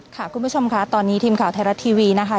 คุณผู้ชมค่ะตอนนี้ทีมข่าวไทยรัฐทีวีนะคะ